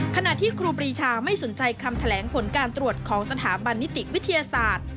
ขณะที่ครูปรีชาไม่สนใจคำแถลงผลการตรวจของสถาบันนิติวิทยาศาสตร์